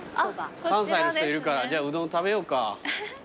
関西の人いるからうどん食べようか。